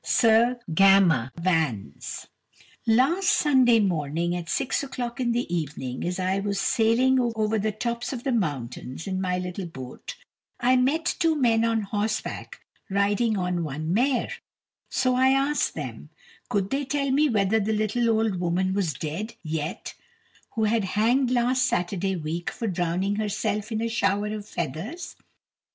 Sir Gammer Vans Last Sunday morning at six o'clock in the evening as I was sailing over the tops of the mountains in my little boat, I met two men on horseback riding on one mare: So I asked them, "Could they tell me whether the little old woman was dead yet who was hanged last Saturday week for drowning herself in a shower of feathers?"